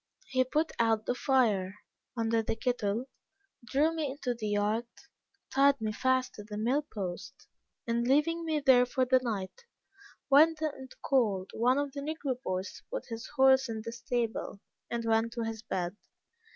He put out the fire under the kettle, drew me into the yard, tied me fast to the mill post, and leaving me there for the night, went and called one of the negro boys to put his horse in the stable, and went to his bed.